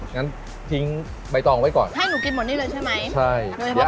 งั้นทิ้งใบตองไว้ก่อนให้หนูกินหมดนี่เลยใช่ไหมใช่ครับ